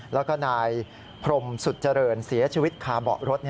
แล้วก็นายพรมสุดเจริญเสียชีวิตคาเบาะรถ